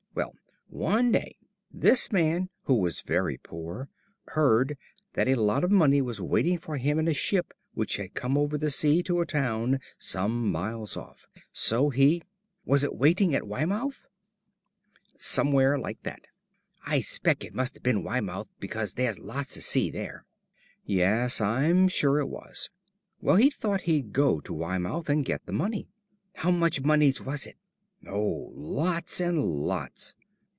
Well, one day this man, who was very poor, heard that a lot of money was waiting for him in a ship which had come over the sea to a town some miles off. So he " "Was it waiting at Weymouf?" "Somewhere like that." "I spex it must have been Weymouf, because there's lots of sea there." "Yes, I'm sure it was. Well, he thought he'd go to Weymouth and get the money." "How much monies was it?" "Oh, lots and lots."